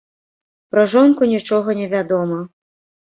Пра жонку нічога не вядома.